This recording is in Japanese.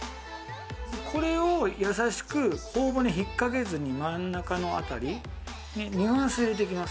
これを優しく頬骨引っかけずに真ん中の辺りニュアンスで入れていきます。